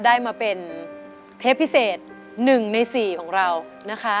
ได้มาเป็นเทปพิเศษ๑ใน๔ของเรานะคะ